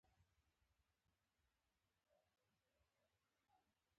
هم اوبه په مؤثره توکه کارول کېږي.